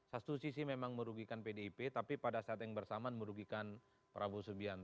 satu sisi memang merugikan pdip tapi pada saat yang bersamaan merugikan prabowo subianto